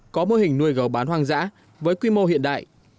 có mô hình nuôi gầu bán hoang dã với quy mô hiện đại